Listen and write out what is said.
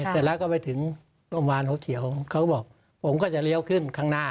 เสร็จแล้วก็ไปถึงโรงพยาบาลหัวเขียวเขาก็บอกผมก็จะเลี้ยวขึ้นข้างหน้า